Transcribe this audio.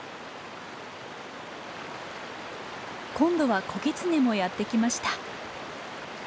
今度は子ギツネもやって来ました。